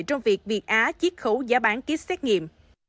trong việc việt á chiếc khấu giá bán kýt xét nghiệm